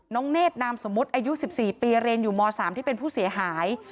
เนธนามสมมุติอายุ๑๔ปีเรียนอยู่ม๓ที่เป็นผู้เสียหาย